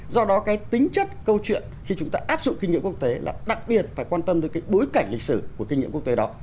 do đó cái tính chất câu chuyện khi chúng ta áp dụng kinh nghiệm quốc tế là đặc biệt phải quan tâm tới cái bối cảnh lịch sử của kinh nghiệm quốc tế đó